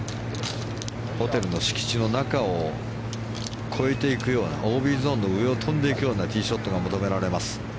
ホテルの敷地の中を越えていくようなＯＢゾーンの上を飛んでいくようなティーショットが求められます。